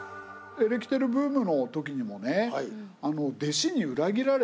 エレキテルブームのときにもね。